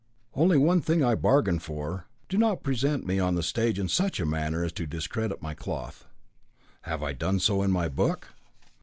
Only one thing I bargain for, do not present me on the stage in such a manner as to discredit my cloth." "Have I done so in my book?"